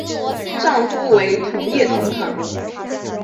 丈夫为同业同行。